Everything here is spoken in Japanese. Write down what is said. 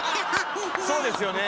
そうですよね。